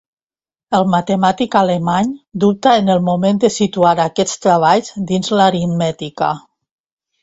El matemàtic alemany dubtà en el moment de situar aquests treballs dins l'aritmètica.